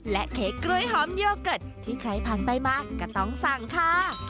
เค้กกล้วยหอมโยเกิร์ตที่ใครผ่านไปมาก็ต้องสั่งค่ะ